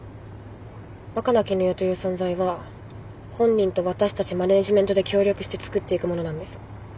若菜絹代という存在は本人と私たちマネジメントで協力してつくっていくものなんです。